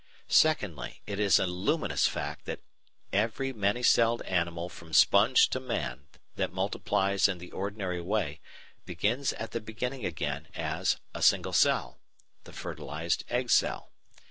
Secondly, it is a luminous fact that _every many celled animal from sponge to man that multiplies in the ordinary way begins at the beginning again as a "single cell,"_ the fertilised egg cell.